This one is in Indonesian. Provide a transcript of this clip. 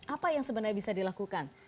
apa yang sebenarnya bisa dilakukan